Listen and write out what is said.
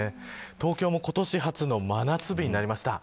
東京は今年初の真夏日になりました。